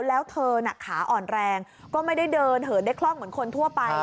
แล้วเธอน่ะขาอ่อนแรงก็ไม่ได้เดินเหินได้คล่องเหมือนคนทั่วไป